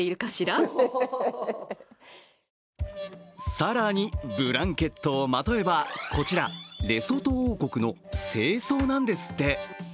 更に、ブランケットをまとえばこちら、レソト王国の正装なんですって。